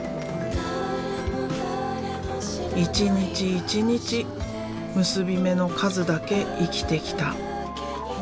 一日一日結び目の数だけ生きてきた。